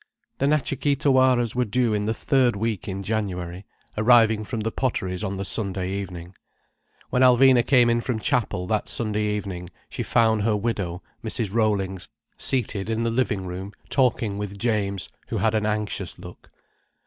The Natcha Kee Tawaras were due in the third week in January, arriving from the Potteries on the Sunday evening. When Alvina came in from Chapel that Sunday evening, she found her widow, Mrs. Rollings, seated in the living room talking with James, who had an anxious look.